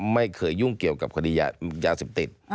ไม่เคยยุ่งเกี่ยวกับคดียาเสพติด